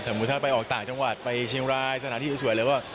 มุติถ้าไปออกต่างจังหวัดไปเชียงรายสถานที่สวยแล้วก็